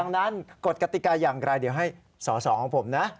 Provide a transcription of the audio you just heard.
ดังนั้นกฎกติกาอย่างไรเดี๋ยวให้สอสอของผมนะ